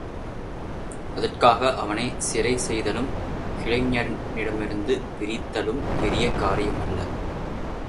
அதற்காக அவனைச் சிறை செய்தலும் கிளைஞரிடமிருந்து பிரித்தலும் பெரிய காரியமல்ல.